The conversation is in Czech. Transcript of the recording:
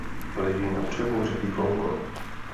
Leží na břehu řeky Kongo.